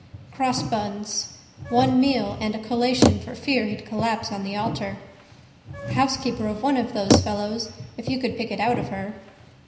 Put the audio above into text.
Crossbuns. One meal and a collation for fear he'd collapse on the altar. A housekeeper of one of those fellows if you could pick it out of her.